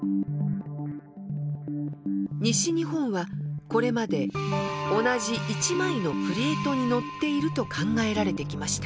西日本はこれまで同じ１枚のプレートに乗っていると考えられてきました。